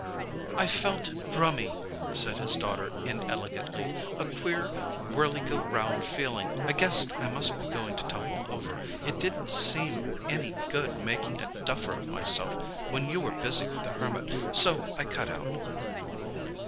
"I felt rummy," said his daughter inelegantly; "a queer, whirly go round feeling. I guessed I must be going to tumble over. It didn't seem any good making a duffer of myself when you were busy with the Hermit, so I cut out."